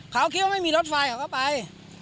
เขาคิดว่าไม่มีรถไฟเขาก็ไป